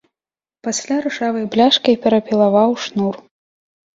Пасля ржавай бляшкай перапілаваў шнур.